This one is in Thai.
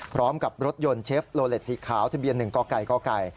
พร้อมกับรถยนต์เชฟโลเลสสีขาวที่เบียน๑กก